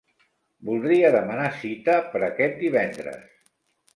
Voldria demanar cita per aquest divendres.